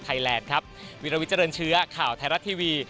แลนด์ครับวิลวิเจริญเชื้อข่าวไทยรัฐทีวี